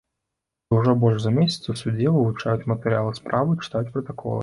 І ўжо больш за месяц у судзе вывучаюць матэрыялы справы, чытаюць пратаколы.